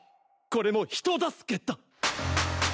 これも人助けだ！